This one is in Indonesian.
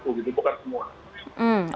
itu bukan semua